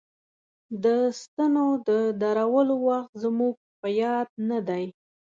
د ستنو د درولو وخت زموږ په یاد نه دی.